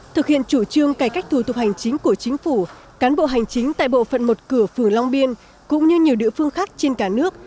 thực hiện chủ trương cải cách thủ tục hành chính của chính phủ cán bộ hành chính tại bộ phận một cửa phường long biên cũng như nhiều địa phương khác trên cả nước